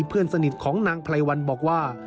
เพื่อนสนิทของนางไพรวันบอกว่า